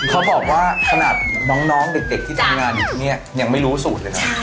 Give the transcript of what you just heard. เขาบอกว่าขนาดน้องเด็กที่ทำงานอยู่ที่นี่ยังไม่รู้สูตรเลยนะ